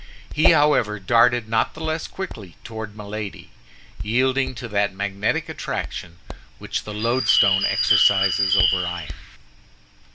He, however, darted not the less quickly toward Milady, yielding to that magnetic attraction which the loadstone exercises over iron.